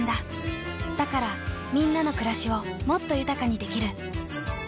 だからみんなの暮らしをもっと豊かにできる。